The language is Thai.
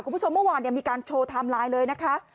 เมื่อวานมีการโชว์ไทม์ไลน์เลยนะคะ